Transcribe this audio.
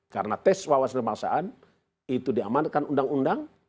karena tes wawasan kebangsaan itu diamankan undang undang